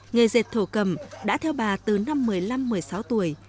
nghề dệt thổ cầm đã theo bà từ năm một mươi năm một mươi sáu tuổi